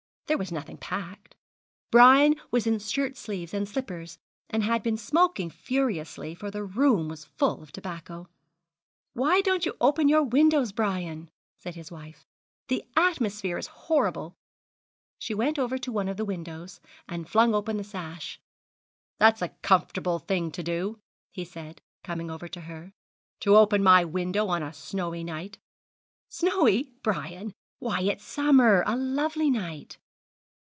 There was nothing packed. Brian was in shirt sleeves and slippers, and had been smoking furiously, for the room was full of tobacco. 'Why don't you open your windows, Brian?' said his wife; 'the atmosphere is horrible.' She went over to one of the windows, and flung open the sash. 'That's a comfortable thing to do,' he said, coming over to her, 'to open my window on a snowy night.' 'Snowy, Brian! Why, it's summer a lovely night!'